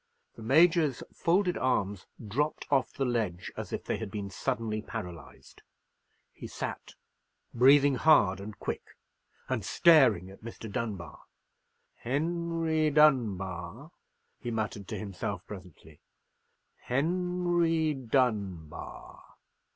The Major's folded arms dropped off the ledge, as if they had been suddenly paralyzed. He sat, breathing hard and quick, and staring at Mr. Dunbar. "Henry Dunbar?" he muttered to himself, presently—"Henry Dunbar!"